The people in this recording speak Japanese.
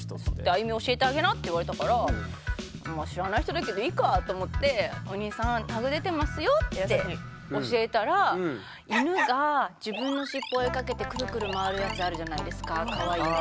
「安祐美教えてあげな」って言われたから知らない人だけどいいかと思ってって教えたら犬が自分の尻尾追いかけてクルクル回るやつあるじゃないですかかわいいの。